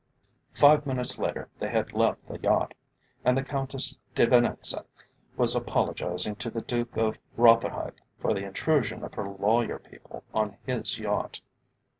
Five minutes later they had left the yacht, and the Countess de Venetza was apologizing to the Duke of Rotherhithe for the intrusion of her lawyer people on his yacht.